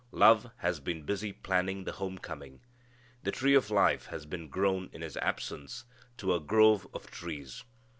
Love has been busy planning the home coming. The tree of life has been grown in his absence to a grove of trees.